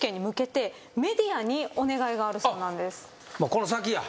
この先や。